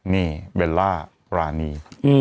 นี่เบลล่ารานี